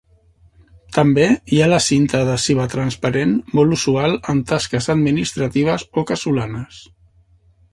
També hi ha la cinta adhesiva transparent molt usual en tasques administratives o casolanes.